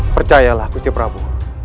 percayalah kusi prabu